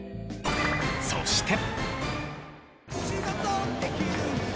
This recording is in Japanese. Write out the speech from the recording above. そして。